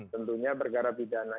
tentunya perkara pidana